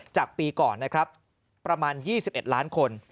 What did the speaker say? จากปีก่อนประมาณ๒๑ล้านคน